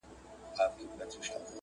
خوب مي وتښتي ستا خیال لکه غل راسي!!